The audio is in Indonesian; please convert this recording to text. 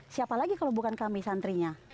siapa lagi kalau bukan kami santrinya